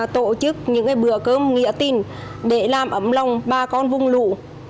tổ chức những bữa cơm nghĩa tình để làm ấm lòng bà con vùng lũ